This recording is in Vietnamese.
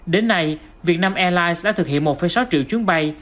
đến nay việt nam airlines đã thực hiện một sáu triệu chuyến bay